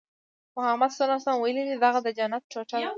محمد ص ویلي دغه د جنت ټوټه ده.